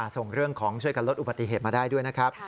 ส่งเรื่องของช่วยกันลดอุบัติเหตุมาได้ด้วยนะครับ